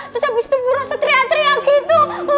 terus abis itu bu rosa teriak teriak gitu